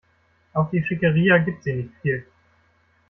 Auf die Schickeria gibt sie nicht viel.